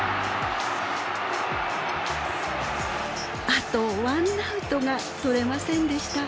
あとワンナウトが取れませんでした。